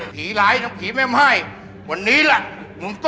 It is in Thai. พี่ห้าว่างมึงมาปุ่นตีกับพวกโก